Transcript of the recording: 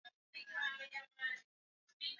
weka unga wa viazi lishe